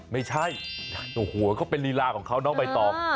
ไม่ใช่โอ้โหเขาเป็นลีลาของเขาน้องใบตอง